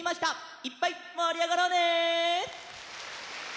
いっぱいもりあがろうね！